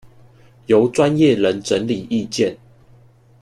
由專業人整理意見